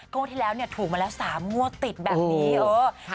ก็ว่าที่แล้วถูกมาแล้วสามงั่วติดแบบนี้